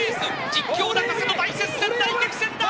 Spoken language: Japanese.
実況泣かせの大激戦だ！